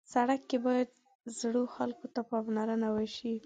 سړک کې باید زړو خلکو ته پاملرنه وشي.